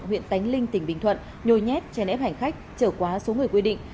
huyện tánh linh tỉnh bình thuận nhồi nhét trên ép hành khách trở qua số người quy định